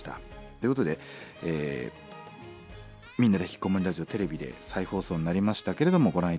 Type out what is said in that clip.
ということで「みんなでひきこもりラジオ」テレビで再放送になりましたけれどもご覧頂けましたでしょうか？